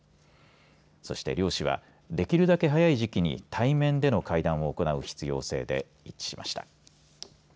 そして両氏はできるだけ早い時期に対面での会談を行う必要性で一致しました。